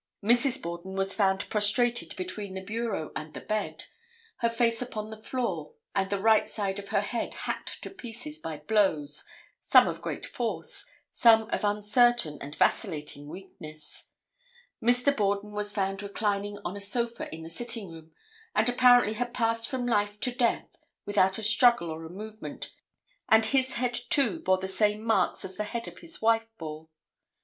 Mrs. Borden was found prostrated between the bureau and the bed, her face upon the floor and the right side of her head hacked to pieces by blows, some of great force, some of uncertain and vacillating weakness. Mr. Borden was found reclining on a sofa in the sitting room and apparently had passed from life to death without a struggle or a movement, and his head, too, bore the same marks as the head of his wife bore.